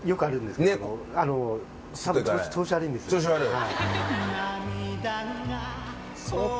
調子悪い。